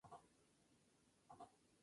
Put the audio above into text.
Se encuentra en el Norte de Sudáfrica.